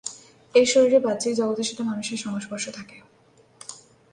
এর শরীরে বাহ্যিক জগতের সাথে মানুষের সংস্পর্শ থাকে।